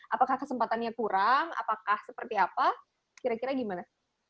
apakah kesempatannya kurang apakah seperti apa kira kira gimana